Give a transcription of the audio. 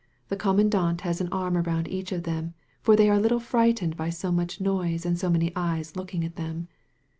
The commandant has an arm around each of them, for they are a little frightened by so much noise and so many eyes looking at them.